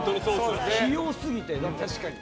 器用すぎて。